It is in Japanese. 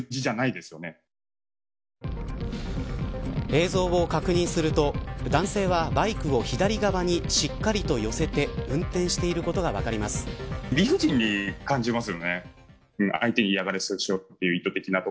映像を確認すると男性は、バイクを左側にしっかりと寄せて運転していることが分かります。